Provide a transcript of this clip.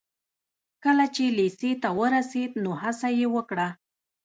کله چې لېسې ته ورسېد نو هڅه يې وکړه.